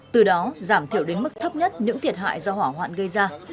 từ đó giảm thiểu đến mức thấp nhất những thiệt hại do hỏa hoạn gây ra